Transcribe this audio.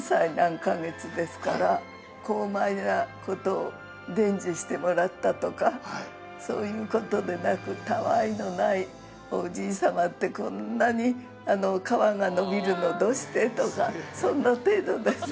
高邁な事を伝授してもらったとかそういう事でなくたわいのないおじいさまってこんなに皮が伸びるのどうして？とかそんな程度です。